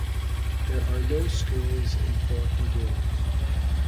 There are no schools in Fork Lagoons.